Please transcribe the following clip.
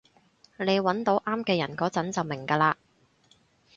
你搵到啱嘅人嗰陣就明㗎喇